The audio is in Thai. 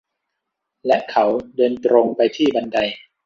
และเขาเดินตรงไปที่บันได